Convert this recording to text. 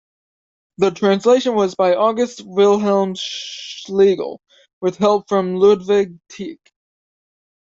The translation was by August Wilhelm Schlegel, with help from Ludwig Tieck.